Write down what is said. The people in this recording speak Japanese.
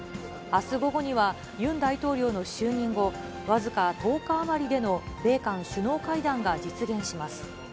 あす午後には、ユン大統領の就任後、僅か１０日余りでの、米韓首脳会談が実現します。